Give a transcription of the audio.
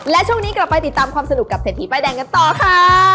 และช่วงนี้กลับไปติดตามความสนุกกับเศรษฐีป้ายแดงกันต่อค่ะ